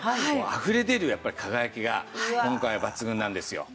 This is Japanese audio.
あふれ出る輝きが今回は抜群なんですよ。